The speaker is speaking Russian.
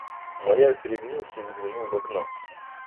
Маляр перегнулся и заглянул в окно.